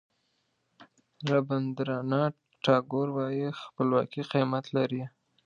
رابندراناټ ټاګور وایي خپلواکي قیمت لري.